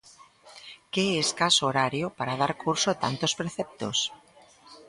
Que escaso horario para dar curso a tantos preceptos.